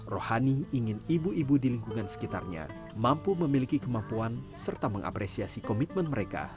rohani ingin ibu ibu di lingkungan sekitarnya mampu memiliki kemampuan serta mengapresiasi komitmen mereka